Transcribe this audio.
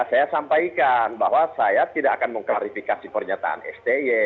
saya sampaikan bahwa saya tidak akan mengklarifikasi pernyataan sti